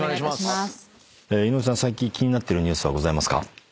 最近気になってるニュースございますか？